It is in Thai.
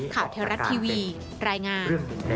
ข่าวแท้รัฐทีวีรายงาน